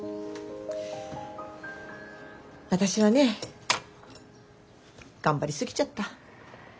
私はね頑張り過ぎちゃった。